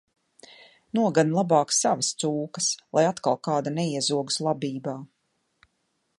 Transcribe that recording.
Nogani labāk savas cūkas, lai atkal kāda neiezogas labībā!